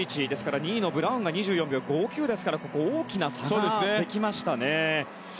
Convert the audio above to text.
２位のブラウンが２４秒５９ですから大きな差ができましたね。